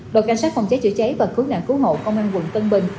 đội cảnh sát phòng cháy chữa cháy và cứu nạn cứu hộ công an quận tân bình